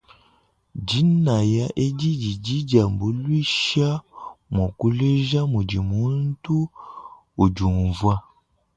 Dinaya edi didi diambuluisha muakuleja mudi muntu udiumva.